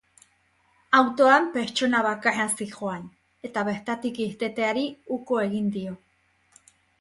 Autoan pertsona bakarra zihoan, eta bertatik irteteari uko egin dio.